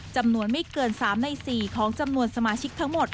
จำนวนไม่เกิน๓ใน๔ของจำนวนสมาชิกทั้งหมด